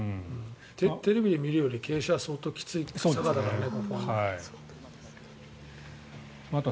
テレビで見るより、傾斜は相当きつい坂だからね、ここは。